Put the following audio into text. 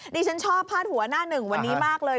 ดิฉันชอบพาดหัวหน้าหนึ่งวันนี้มากเลย